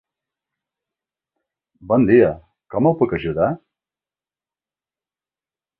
Bon dia, com el puc ajudar?